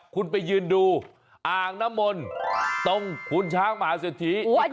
คุณไปยืนดูอ่างนมลตรงขุนช้างมหาเสถีย